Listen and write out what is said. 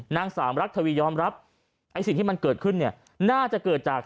นางสามรักทวียอมรับไอ้สิ่งที่มันเกิดขึ้นเนี่ยน่าจะเกิดจาก